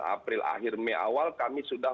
april akhir mei awal kami sudah